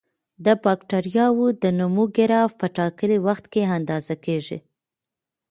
د بکټریاوو د نمو ګراف په ټاکلي وخت کې اندازه کیږي.